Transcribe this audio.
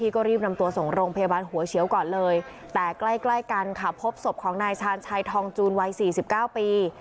ใกล้กันค่ะพบศพของนายชาญชายทองจูนวัย๔๙ปี